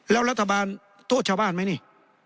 แล้วรัฐบาลโทษชาวบ้านไหมนี่